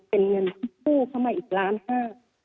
เป็นเงินที่กู้เข้ามาอีกล้านห้า